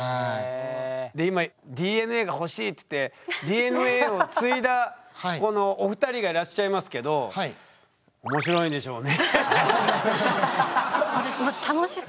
で今ＤＮＡが欲しいって言ってＤＮＡを継いだこのお二人がいらっしゃいますけどそうですね。